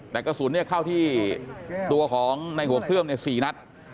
แต่กระสุนเข้าที่ตัวของในหัวเครื่อง๔นัด